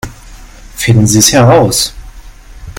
Finden Sie es heraus!